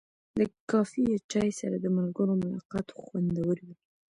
د کافي یا چای سره د ملګرو ملاقات خوندور وي.